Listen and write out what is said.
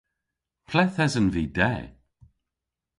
Ple'th esen vy de?